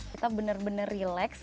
kita benar benar rileks